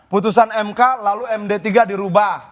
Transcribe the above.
putusan mk lalu md tiga dirubah